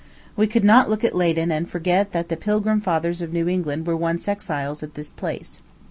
We could not look at Leyden and forget that the Pilgrim Fathers of New England were once exiles at this place.